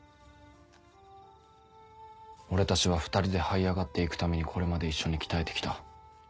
俺たちは２人ではい上がって行くためにこれまで一緒に鍛えて来た。